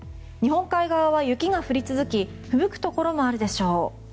日本海側は雪が降り続きふぶくところもあるでしょう。